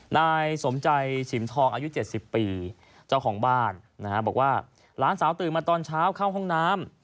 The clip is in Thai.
นายสมใจฉิมทองอายุ๗๐ปีเจ้าของบ้านนะฮะบอกว่าหลานสาวตื่นมาตอนเช้าเข้าห้องน้ำ